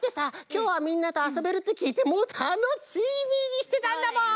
きょうはみんなとあそべるってきいてもうタノチーミーにしてたんだもん。